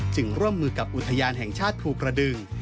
ร่วมมือกับอุทยานแห่งชาติภูกระดึง